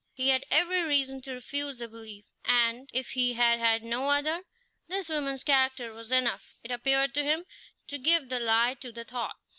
He had every reason to refuse the belief; and if he had had no other, this woman's character was enough, it appeared to him, to give the lie to the thought.